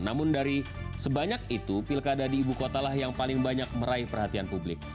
namun dari sebanyak itu pilkada di ibu kota lah yang paling banyak meraih perhatian publik